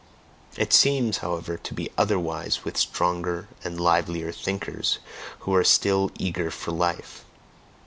It seems, however, to be otherwise with stronger and livelier thinkers who are still eager for life.